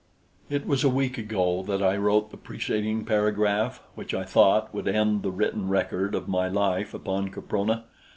It was a week ago that I wrote the preceding paragraph, which I thought would end the written record of my life upon Caprona.